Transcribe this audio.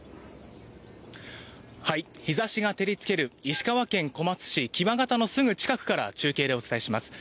日差しが照りつける石川県小松市木場潟のすぐ近くからお伝えします。